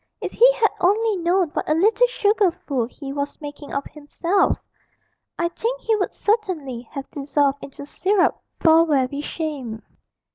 If he had only known what a little sugar fool he was making of himself, I think he would certainly have dissolved into syrup for very shame.